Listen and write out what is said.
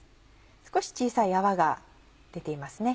少し小さい泡が出ていますね。